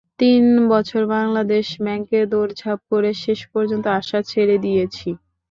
তিন বছর বাংলাদেশ ব্যাংকে দৌড়ঝাঁপ করে শেষ পর্যন্ত আশা ছেড়ে দিয়েছি।